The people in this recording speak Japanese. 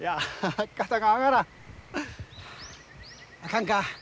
あかんか。